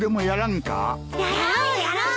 やろうやろう。